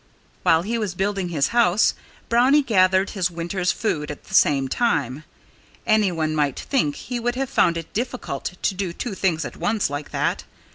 While he was building his house Brownie gathered his winter's food at the same time. Anyone might think he would have found it difficult to do two things at once like that.